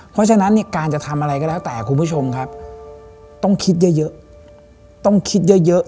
เพราะฉะนั้นเนี่ยการจะทำอะไรก็แล้วแต่คุณผู้ชมครับต้องคิดเยอะต้องคิดเยอะ